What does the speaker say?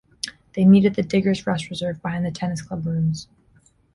They meet at the Diggers Rest Reserve behind the tennis club rooms.